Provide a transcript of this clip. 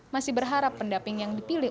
masih berharap pendamping yang dipilih